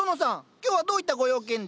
今日はどういったご用件で？